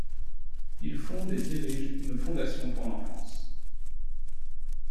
Il fonde et dirige une fondation pour l’enfance.